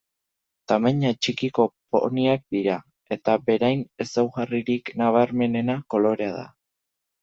Tamaina txikiko poniak dira, eta berain ezaugarririk nabarmena kolorea da.